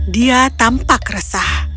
dia tampak resah